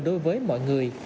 đối với mọi người